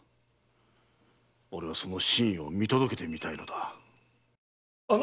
俺はその真意を見届けてみたいのだ。